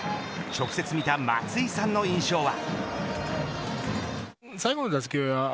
直接見た松井さんの印象は。